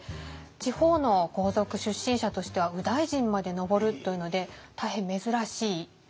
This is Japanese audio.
地方の豪族出身者としては右大臣まで上るというので大変珍しい出世の道を歩んだ人です。